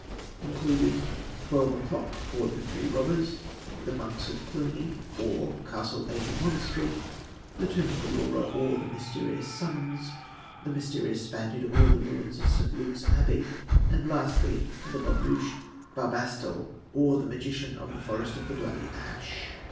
included: _Twelve O'Clock or the Three Robbers, The Monks of Cluny, or Castle Acre Monastery, The Tomb of Aurora, or The Mysterious Summons, The Mysterious Spaniard, or The Ruins of St. Luke's Abbey_, and lastly, as a bonne bouche, Barbastal, or The Magician of the Forest of the Bloody Ash.